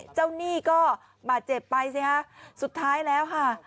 หนี้ก็บาดเจ็บไปสิฮะสุดท้ายแล้วค่ะ